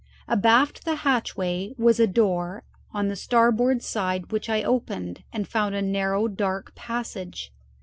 Abaft the hatchway was a door on the starboard side which I opened, and found a narrow dark passage.